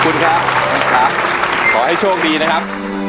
ขอให้โชคดีนะครับ